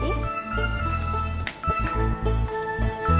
terima kasih bu